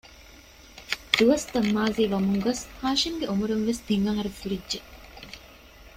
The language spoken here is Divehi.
ދުވަސްތައް މާޒީވަމުންގޮސް ހާޝިމްގެ އުމުރުންވެސް ތިން އަހަރު ފުރިއްޖެ